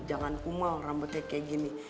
jangan kumal rambutnya kayak gini